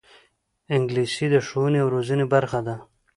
انګلیسي د ښوونې او روزنې برخه ده